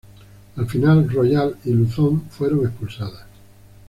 Al final, Royale y Luzón fueron expulsadas.